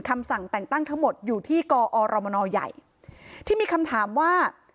คำสั่งแต่งตั้งทั้งหมดอยู่ที่กอรมนใหญ่ที่มีคำถามว่า